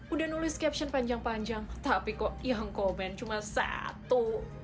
udah nulis caption panjang panjang tapi kok yang komen cuma satu